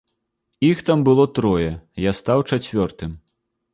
Іх там было трое, я стаў чацвёртым.